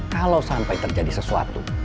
kalau sampai terjadi sesuatu